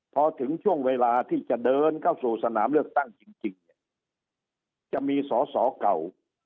พอถึงช่วงเวลาที่จะเดินเข้าสู่สนามเลือกตั้งจริงเนี่ยจะมีสอสอเก่า